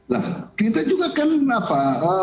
nah kita juga kenapa